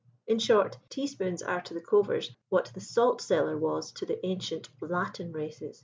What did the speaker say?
In short, teaspoons are to the Covers what the salt cellar was to the ancient Latin races.